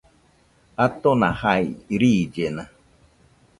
Atona jai, riillena